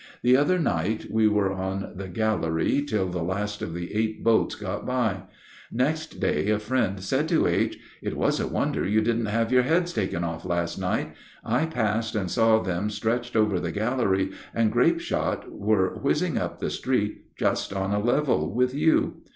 The other night we were on the gallery till the last of the eight boats got by. Next day a friend said to H., "It was a wonder you didn't have your heads taken off last night. I passed and saw them stretched over the gallery, and grape shot were whizzing up the street just on a level with you."